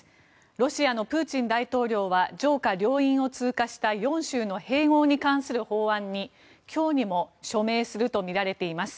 ロシアのプーチン大統領は上下両院を通過した４州の併合に関する法案に今日にも署名するとみられています。